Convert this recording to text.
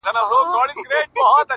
خو ذهنونه نه ارامېږي هېڅکله,